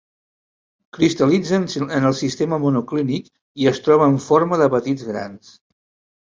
Cristal·litza en el sistema monoclínic, i es troba en forma de petits grans.